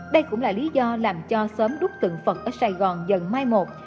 đây cũng là lý do làm cho xóm đúc tượng vật ở sài gòn dần mai một